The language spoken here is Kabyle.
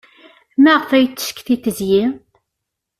Maɣef ay ttcikkin deg-i?